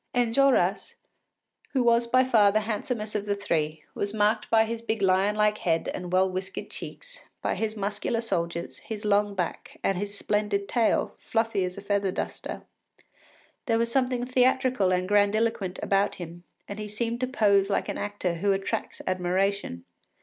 Enjolras, who was by far the handsomest of the three, was marked by his big lion like head and well whiskered cheeks, by his muscular shoulders, his long back, and his splendid tail, fluffy as a feather duster. There was something theatrical and grandiloquent about him, and he seemed to pose like an actor who attracts admiration.